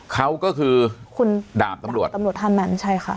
เขาก็คือคุณดาบตำรวจตำรวจท่านนั้นใช่ค่ะ